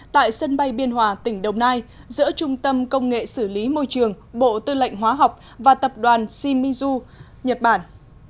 tại sân bay biên hòa tỉnh đồng nai giữa trung tâm công nghệ xử lý môi trường bộ tư lệnh hóa học và tập đoàn shimizu nhật bản